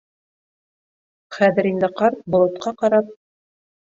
Хәҙер инде ҡарт, болотҡа ҡарап: